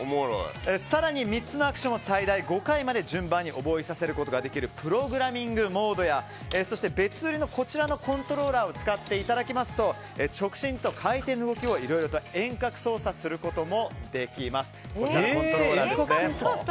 更に３つのアクションを最大５回まで順番に覚えさせられるプログラミングモードやそして別売りのコントローラーを使っていただきますと直進と回転の動きをいろいろと遠隔操作することもできます。